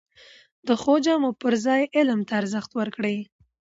د ښو جامو پر ځای علم ته ارزښت ورکړئ!